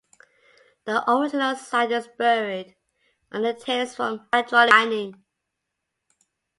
The original site is buried under tailings from hydraulic mining.